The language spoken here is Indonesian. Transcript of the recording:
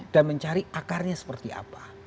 dan mencari akarnya seperti apa